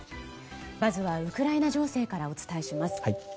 まずはウクライナ情勢からお伝えします。